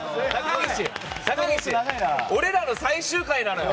高岸、俺らの最終回なのよ！